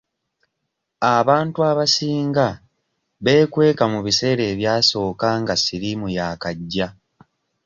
Abantu abasinga beekweka mu biseera ebyasooka nga siriimu yaakajja.